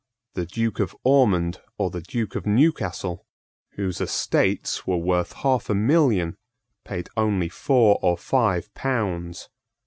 The Duke of Ormond, or the Duke of Newcastle, whose estates were worth half a million, paid only four or five pounds.